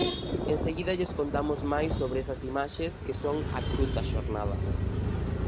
Enseguida lles contamos máis sobre esas imaxes, que son a cruz da xornada.